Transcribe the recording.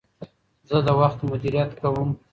زه د وخت مدیریت کوم.